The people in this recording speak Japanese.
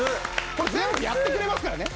これ全部やってくれますからね。